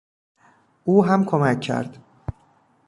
او هم کمک کرد.